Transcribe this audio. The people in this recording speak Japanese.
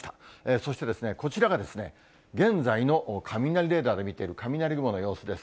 そして、こちらが現在の雷レーダーで見ている雷雲の様子です。